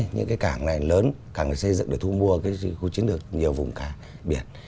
những cái cảng này lớn cảng này xây dựng để thu mua cố chiến được nhiều vùng cá biển